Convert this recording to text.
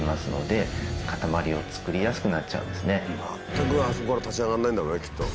全くあそこから立ち上がんないんだろうねきっと。